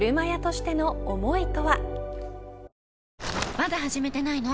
まだ始めてないの？